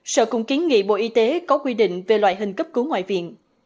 sở cũng kiến nghị bộ y tế có quy định về loại hình cấp cứu ngoại viện